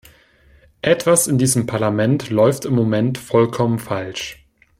Etwas in diesem Parlament läuft im Moment vollkommen falsch.